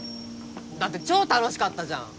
だって超楽しかったじゃん！